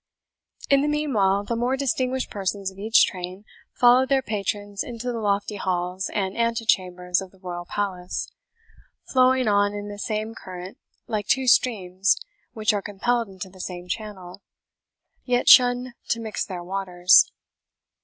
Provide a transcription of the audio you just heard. In the meanwhile, the more distinguished persons of each train followed their patrons into the lofty halls and ante chambers of the royal Palace, flowing on in the same current, like two streams which are compelled into the same channel, yet shun to mix their waters.